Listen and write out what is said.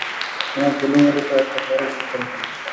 তোমার গুলুমুলুটা একটা বড় ভুল করে ফেলেছে!